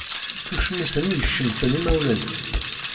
Tucmit-nni i icemmten imawlan-is.